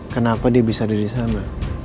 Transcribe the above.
kenapa dia bisa ada disana